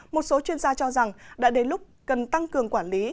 một số chuyên gia cho rằng đã đến lúc cần tăng cường quản lý